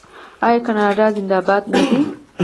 آیا کاناډا زنده باد نه دی؟